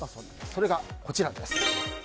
それがこちらです。